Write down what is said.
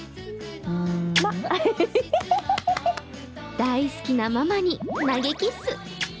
大好きなママに投げキッス。